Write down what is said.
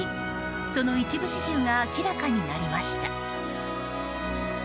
その一部始終が明らかになりました。